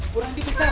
kurang di pingsan